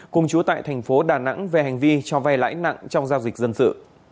cùng chú tại thành phố đà nẵng về hành vi cho vay lãi nặng trong giao dịch dân sự